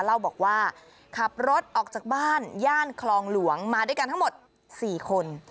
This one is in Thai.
เล่าบอกว่าขับรถออกจากบ้านย่านคลองหลวงมาด้วยกันทั้งหมด๔คน